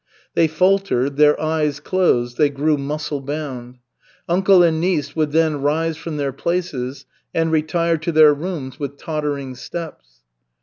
They faltered, their eyes closed, they grew muscle bound. Uncle and niece would then rise from their places and retire to their rooms with tottering steps.